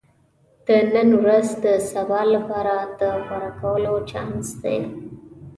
• د نن ورځ د سبا لپاره د غوره کولو چانس دی.